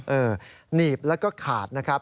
หนีบแล้วก็ขาดนะครับ